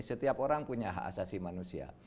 setiap orang punya hak asasi manusia